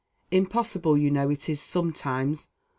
Impossible, you know, it is sometimes.